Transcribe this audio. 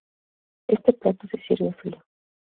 Este plato se sirve frío.